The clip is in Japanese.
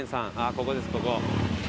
ここですここ。